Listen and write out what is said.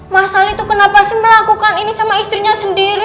masal itu kenapa sih melakukan ini sama istrinya sendiri